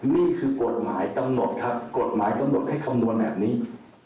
นี่คือกฎหมายกำหนดให้คำนวณแบบนี้